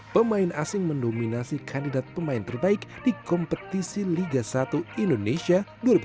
pemain asing mendominasi kandidat pemain terbaik di kompetisi liga satu indonesia dua ribu tujuh belas